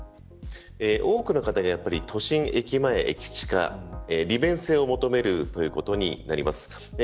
多くの方が都心、駅前、駅近利便性を求めるということになります。